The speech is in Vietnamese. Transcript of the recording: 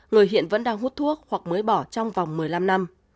người hiện vẫn đang hút thuốc hoặc mới bỏ trong vòng một mươi năm năm